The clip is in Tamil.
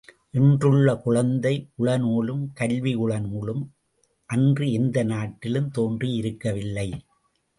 இன்றுள்ள குழந்தை உள நூலும் கல்வி உளநூலும் அன்று எந்த நாட்டிலும் தோன்றியிருக்கவில்லை.